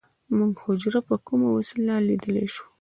موږ حجره په کومه وسیله لیدلی شو